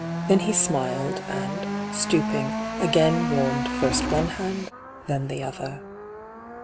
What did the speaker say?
Then he smiled, and, stooping ; again warmed first one hand, then the other.